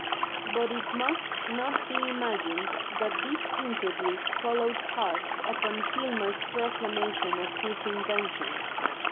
But it must not be imagined that these interviews followed hard upon Filmer's proclamation of his invention.